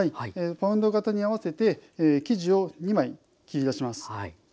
パウンド型に合わせて生地を２枚切り出します。